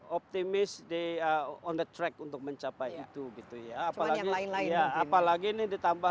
kita optimis di on the track untuk mencapai itu gitu ya apalagi yang lain lain apalagi ini ditambah